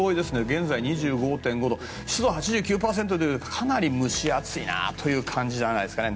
現在２５．５度、湿度は８９％とかなり蒸し暑い感じですね。